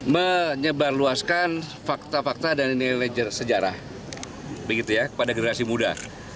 menyebarluaskan fakta fakta dan nilai sejarah kepada generasi muda